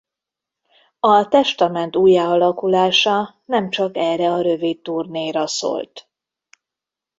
A Testament újjáalakulása nem csak erre a rövid turnéra szólt.